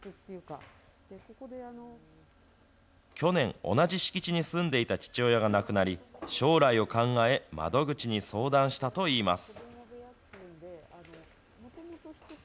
去年、同じ敷地に住んでいた父親が亡くなり、将来を考え、窓口に相談したといいます。